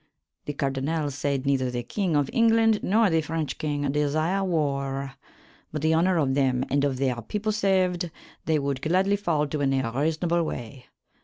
The Cardinall sayd neither the Kynge of Englande nor the Frenche Kynge desire warre, but the honour of them and of their people saved, they wolde gladly fall to any reasonable way.